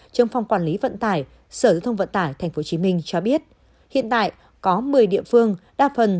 trong phòng quản lý vận tải sở thông vận tải tp hcm cho biết hiện tại có một mươi địa phương đa phần